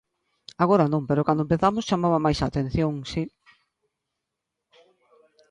Agora non, pero cando empezamos chamaba máis a atención, si.